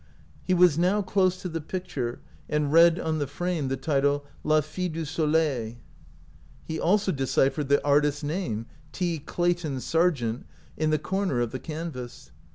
He Was now close to the picture, and read on the frame the title, "Za Fille du Soldi." He also deciphered the artist's name, " T. Clayton Sargent," in the corner of the canvas.